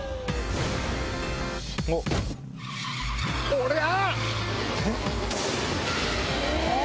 おりゃ！